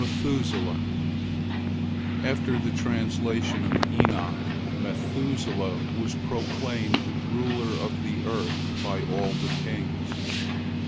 METHUSELAH After the translation of Enoch, Methuselah was proclaimed ruler of the earth by all the kings.